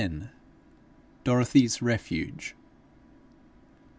DOROTHY'S REFUGE.